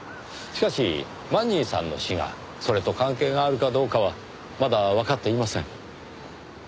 しかしマニーさんの死がそれと関係があるかどうかはまだわかっていません。